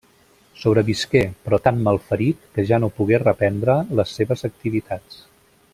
Sobrevisqué, però tan malferit que ja no pogué reprendre les seves activitats.